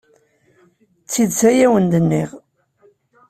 D tidet ay awen-d-nniɣ.